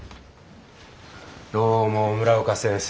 どうも村岡先生。